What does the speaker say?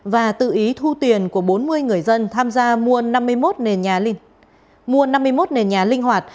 và tự ý thu tiền của bốn mươi người dân tham gia mua năm mươi một nền nhà linh hoạt